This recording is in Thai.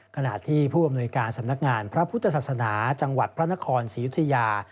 ขณะที่ผู้อำนวยการสำนักงานพระพุทธศาสนาจังหวัดพระนครศรียุธยา